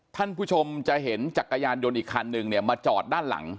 ท่านผู้ชมจะเห็นจักรยานยนต์อีกคันนึงเนี่ยมาจอดด้านหลัง